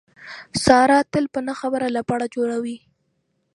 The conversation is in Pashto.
ساره تل په نه خبره لپړه جوړوي.